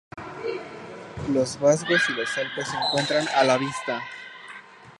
Los Vosgos y los Alpes se encuentran a la vista.